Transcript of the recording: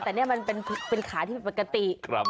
แต่นี่มันเป็นขาที่ผิดปกติ